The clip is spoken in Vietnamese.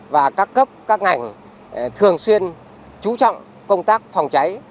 và các cấp các ngành thường xuyên chú trọng công tác phòng cháy